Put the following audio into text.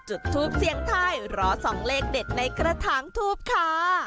จุดทูปเสียงทายรอส่องเลขเด็ดในกระถางทูบค่ะ